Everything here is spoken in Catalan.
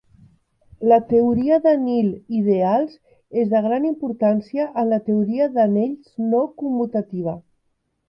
La teoria de nil-ideals és de gran importància en la teoria d'anells no commutativa.